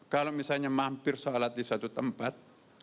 kalau misalnya mampir sholat di satu tempat